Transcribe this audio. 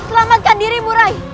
selamatkan dirimu rai